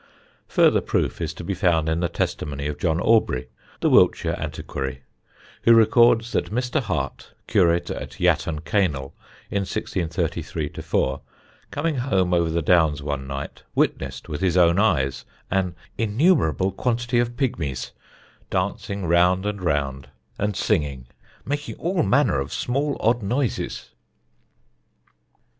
Further proof is to be found in the testimony of John Aubrey, the Wiltshire antiquary, who records that Mr. Hart, curate at Yatton Keynel in 1633 4, coming home over the Downs one night witnessed with his own eyes an "innumerable quantitie of pigmies" dancing round and round and singing, "making all manner of small, odd noises."